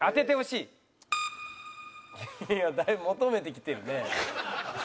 いやだいぶ求めてきてるねえ。